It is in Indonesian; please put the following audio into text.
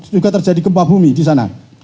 juga terjadi gempa bumi disana